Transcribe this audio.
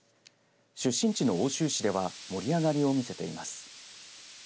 出身地の奥州市では盛り上がりを見せています。